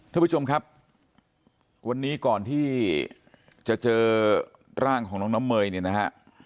ท่านผู้ชมครับวันนี้ก่อนที่จะเจอร่างของน้องน้ำเมยเนี่ยนะฮะ